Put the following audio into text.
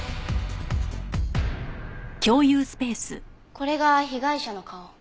これが被害者の顔。